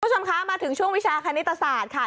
คุณผู้ชมคะมาถึงช่วงวิชาคณิตศาสตร์ค่ะ